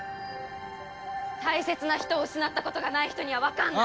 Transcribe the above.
大切な人を失ったことがない人にはわかんない。